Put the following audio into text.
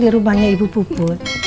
di rumahnya ibu puput